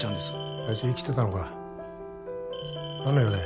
あいつ生きてたのか何の用だ？